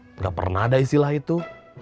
sudah pernah ada istilah itu